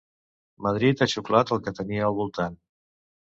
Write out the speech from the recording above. Madrid ha xuclat el que tenia al voltant